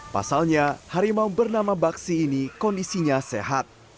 pasalnya harimau bernama baksi ini kondisinya sehat